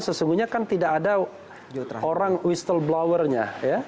sesungguhnya kan tidak ada orang whistleblower nya